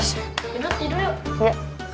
sindut tidur yuk